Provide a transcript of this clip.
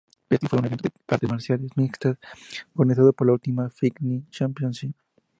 Pettis fue un evento de artes marciales mixtas organizado por Ultimate Fighting Championship.